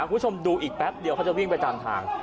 คุณผู้ชมดูอีกแป๊บเดียวเขาจะวิ่งไปตามทาง